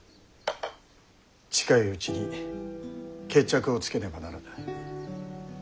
近いうちに決着をつけねばならぬ。